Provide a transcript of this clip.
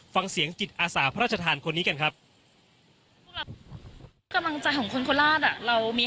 ฟังเสียงจิตอาสาพระราชทานคนนี้กันครับ